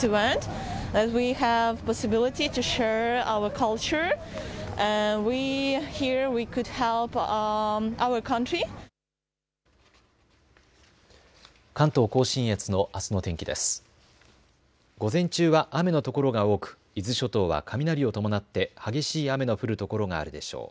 午前中は雨の所が多く伊豆諸島は雷を伴って激しい雨の降る所があるでしょう。